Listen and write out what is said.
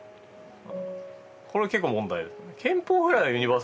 これが結構問題ですね。